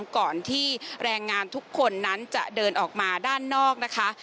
ก่อนที่แรงงานทุกคนนั้นจะเดินออกมาด้านนอกนะคะ